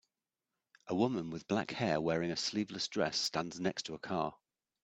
A woman with black hair wearing a sleeveless dress stands next to a car.